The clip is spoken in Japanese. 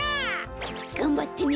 がんばってね。